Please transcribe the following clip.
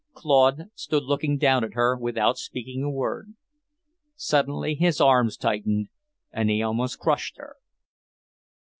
Claude stood looking down at her without speaking a word. Suddenly his arms tightened and he almost crushed her.